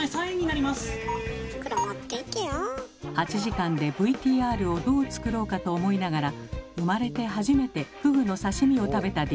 ８時間でＶＴＲをどう作ろうかと思いながら生まれて初めてフグの刺身を食べたディレクター。